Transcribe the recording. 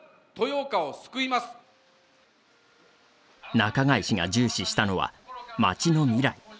中貝氏が重視したのは町の未来。